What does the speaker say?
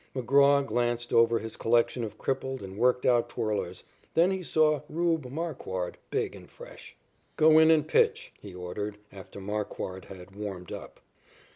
McGraw glanced over his collection of crippled and worked out twirlers. Then he saw "Rube" Marquard, big and fresh. "Go in and pitch," he ordered after Marquard had warmed up.